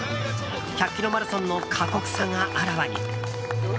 １００ｋｍマラソンの過酷さがあらわに。